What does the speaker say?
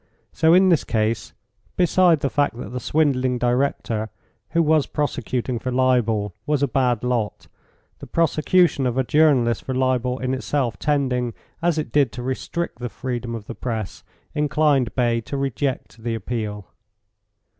So in this case; beside the fact that the swindling director, who was prosecuting for libel, was a bad lot, the prosecution of a journalist for libel in itself tending, as it did, to restrict the freedom of the press, inclined Bay to reject the appeal.